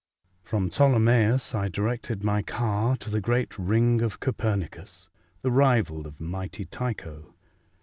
FEOM Ptolomasus I directed my car to the great ring of Copernicus, the rival of mighty Tycho.